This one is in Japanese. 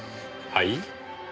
はい？